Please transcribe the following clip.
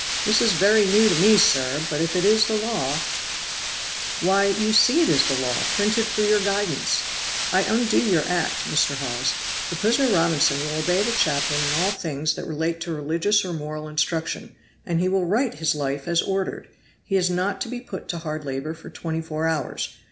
"This is very new to me, sir; but if it is the law " "Why, you see it is the law, printed for your guidance. I undo your act, Mr. Hawes; the prisoner Robinson will obey the chaplain in all things that relate to religious or moral instruction, and he will write his life as ordered, and he is not to be put to hard labor for twenty four hours.